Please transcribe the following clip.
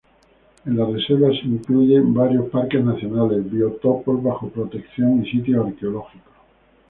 En la reserva se incluye varios parques nacionales, biotopos bajo protección y sitios arqueológicos.